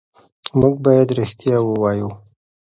موږ باید رښتیا ووایو.